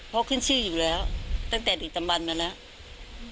เพราะขึ้นชื่ออยู่แล้วตั้งแต่ดึกตำบันมาแล้ว